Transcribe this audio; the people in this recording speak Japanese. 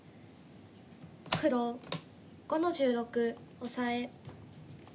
黒５の十六オサエ。